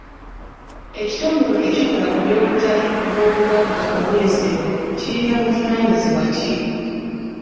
Ekitongole ekikola ku by'obutale bw'obugagga obw'ensibo kirina buvunaanyizibwa ki?